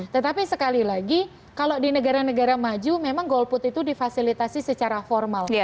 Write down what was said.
tetapi sekali lagi kalau di negara negara maju memang golput itu difasilitasi secara formal